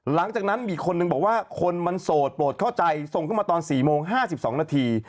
หลังจากนั้นมีคนนึงบอกว่าคนมันโสดโปรดเข้าใจส่งขึ้นมาตอน๔โมง๕๒นาที